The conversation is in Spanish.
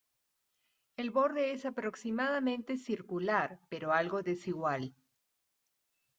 El borde es aproximadamente circular, pero algo desigual.